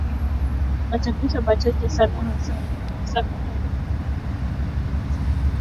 Machapisho machache sana hasa ya Profesa Katoke na hadithi za wapelelezi